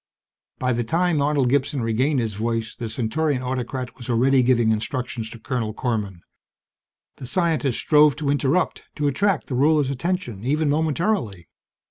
By the time Arnold Gibson regained his voice, the Centaurian autocrat was already giving instructions to Colonel Korman. The scientist strove to interrupt, to attract the ruler's attention even momentarily.